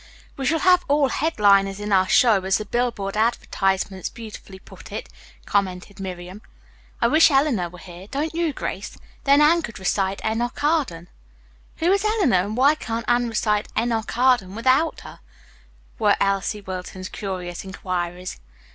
"We shall have all 'headliners in our show,' as the billboard advertisements beautifully put it," commented Miriam. "I wish Eleanor were here, don't you, Grace? Then Anne could recite 'Enoch Arden.'" "Who is Eleanor, and why can't Anne recite 'Enoch Arden' without her?" were Elsie Wilton's curious inquiries.